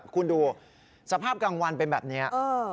คุณดูสภาพกลางวันเป็นแบบนี้